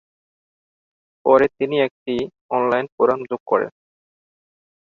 পরে তিনি একটি অনলাইন ফোরাম যোগ করেন।